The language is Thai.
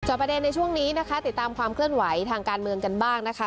ประเด็นในช่วงนี้นะคะติดตามความเคลื่อนไหวทางการเมืองกันบ้างนะคะ